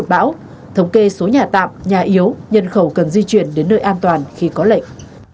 bão thống kê số nhà tạm nhà yếu nhân khẩu cần di chuyển đến nơi an toàn khi có lệnh